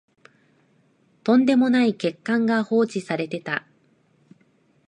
とんでもない欠陥が放置されてた